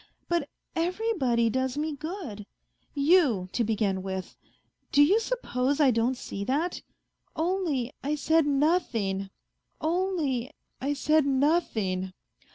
... But everybody does me good ! You, to begin with : do you suppose I don't see that ? Onlv I said nothing; only I said nothing."